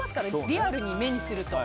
リアルに目にすると。